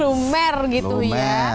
lumer gitu ya